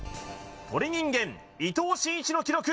鳥人間伊藤慎一の記録